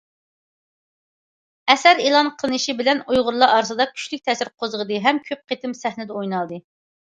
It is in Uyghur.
ئەسەر ئېلان قىلىنىشى بىلەن ئۇيغۇرلار ئارىسىدا كۈچلۈك تەسىر قوزغىدى ھەم كۆپ قېتىم سەھنىدە ئوينالدى.